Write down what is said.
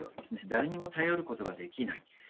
誰にも頼ることができない。